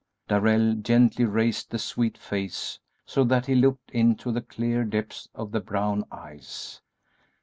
Darrell gently raised the sweet face so that he looked into the clear depths of the brown eyes.